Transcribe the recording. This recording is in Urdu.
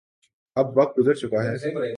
اب وقت گزر چکا ہے۔